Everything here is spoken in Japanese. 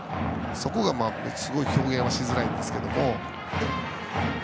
そこが、すごい表現しづらいんですが。